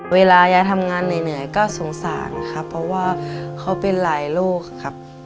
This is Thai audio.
เวลายายทำงานเหนื่อยก็สงสารครับเพราะว่าเขาเป็นหลายโรคครับ